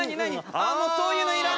ああもうそういうのいらない。